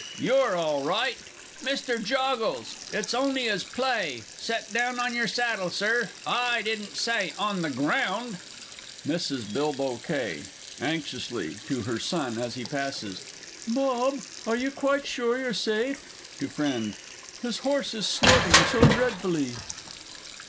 You're, all right, Mr. Joggles it's on'y his play; set down on your saddle, Sir!... I didn't say on the ground! MRS. B. K. (anxiously to her SON, as he passes). Bob, are you quite sure you're safe? (To FRIEND.) His horse is snorting so dreadfully!